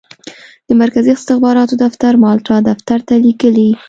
د مرکزي استخباراتو دفتر مالټا دفتر ته لیکي.